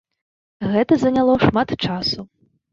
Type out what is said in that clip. Гэта заняло шмат часу.